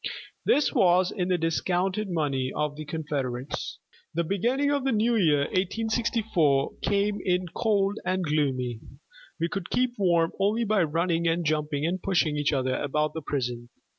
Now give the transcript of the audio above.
This was in the discounted money of the Confederates. The beginning of the new year 1864 came in cold and gloomy. We could keep warm only by running and jumping and pushing each other about the prison.